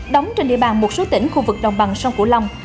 đóng trên địa bàn một số tỉnh khu vực đồng bằng sông cửu long